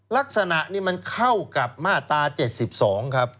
ลักษณะนี้มันเข้ากับมาตรา๗๒ครับ